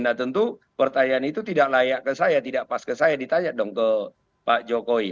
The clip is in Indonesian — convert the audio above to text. nah tentu pertanyaan itu tidak layak ke saya tidak pas ke saya ditanya dong ke pak jokowi